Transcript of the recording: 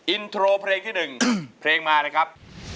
อินโทรเพลงที่หนึ่งเพลงมานะครับ